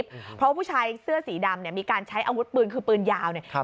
เพราะผู้ชายเสื้อสีดำเนี่ยมีการใช้อาวุธปืนคือปืนยาวเนี่ย